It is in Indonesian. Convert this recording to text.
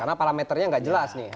karena parameternya nggak jelas nih